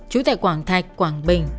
chú tại quảng thạch quảng bình